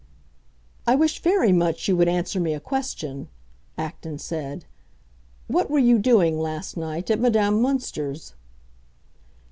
"I wish very much you would answer me a question," Acton said. "What were you doing, last night, at Madame Münster's?"